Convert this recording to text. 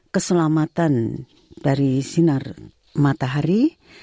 keselamatan dari sinar matahari